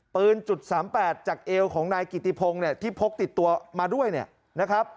ปืนจุด๓๘จากเอวของนายกิติพงศ์เนี่ยที่พกติดตัวมาด้วยเนี่ยนะครับ